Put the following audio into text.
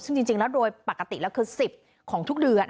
ซึ่งจริงแล้วโดยปกติแล้วคือ๑๐ของทุกเดือน